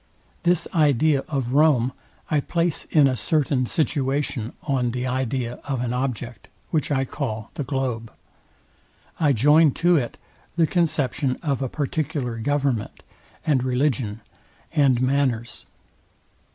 This idea of Rome I place in a certain situation on the idea of an object, which I call the globe. I join to it the conception of a particular government, and religion, and manners.